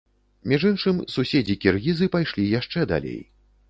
Між іншым, суседзі-кіргізы пайшлі яшчэ далей.